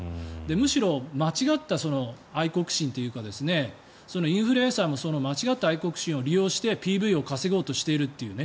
むしろ、間違った愛国心というかインフルエンサーも間違った愛国心を利用してＰＶを稼ごうとしていると。